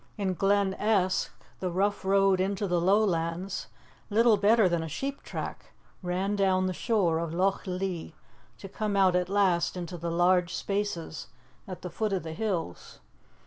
In Glen Esk, the rough road into the Lowlands, little better than a sheep track, ran down the shore of Loch Lee, to come out at last into the large spaces at the foot of the hills.